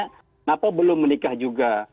kenapa belum menikah juga